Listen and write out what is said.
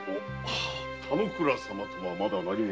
田之倉様とはまだ何も？